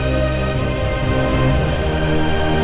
ga mungkin dok